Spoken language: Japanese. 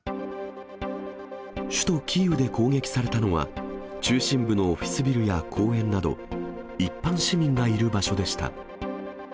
首都キーウで攻撃されたのは、中心部のオフィスビルや公園など、一般市民がいる場所でした。